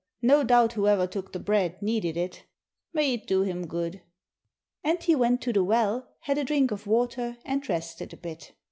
No doubt whoever took the bread needed it. May it do him good!" And he went to the well, had a drink of water, and rested a bit.